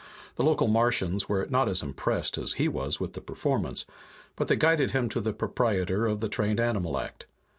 The local Martians were not as impressed as he was with the performance, but they guided him to the proprietor of the trained animal act.